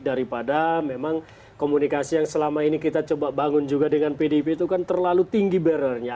daripada memang komunikasi yang selama ini kita coba bangun juga dengan pdip itu kan terlalu tinggi barrernya